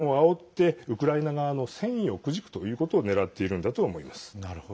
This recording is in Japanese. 市民を苦しめることでえん戦気分をあおってウクライナ側の戦意をくじくということをねらっているんだと思います。